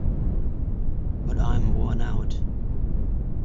But I am worn out.